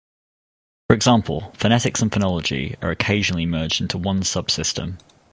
For example, phonetics and phonology are occasionally merged into one subsystem.